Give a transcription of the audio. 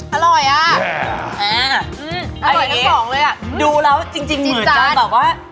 มาดูแล้วจริงเหมือนจะ